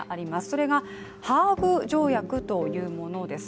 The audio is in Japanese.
それが、ハーグ条約というものです。